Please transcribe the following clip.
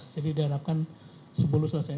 jadi diharapkan sepuluh selesai